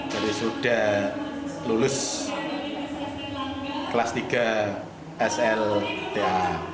jadi sudah lulus kelas tiga slta